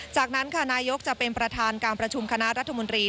จากนั้นค่ะนายกจะเป็นประธานการประชุมคณะรัฐมนตรี